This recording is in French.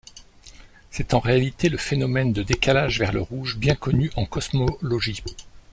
C'est en réalité le phénomène de décalage vers le rouge bien connu en cosmologie.